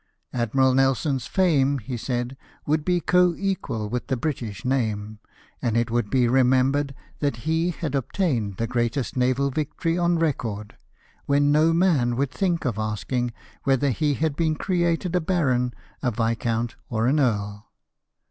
'' Admiral Nelson's fame," he said, " would be co equal with the British name, and it would be remembered that he had obtained the greatest naval victory on record, when no man would think of asking whether he had been created a baron, a viscount, or an earl."